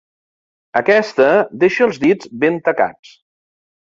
Aquesta deixa els dits ben tacats.